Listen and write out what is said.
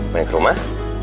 mending ke rumah